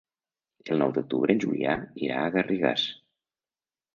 El nou d'octubre en Julià irà a Garrigàs.